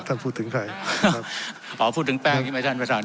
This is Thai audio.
ท่านพูดถึงใครอ๋อพูดถึงแป้งนี่ไหมท่านประธาน